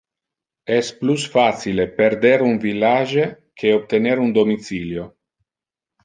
Es plus facile perder un village que obtener un domicilio.